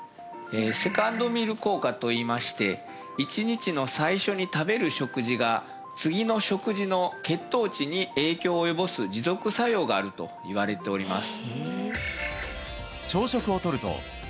セカンドミール効果といいまして１日の最初に食べる食事が次の食事の血糖値に影響を及ぼす持続作用があるといわれております